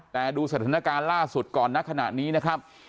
แต่ดูสถานการณ์ล่าสุดก่อนณขณะนี้นะครับ